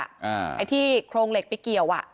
ไอ้ที่โครงเหล็กไปเกี่ยวอ่ะ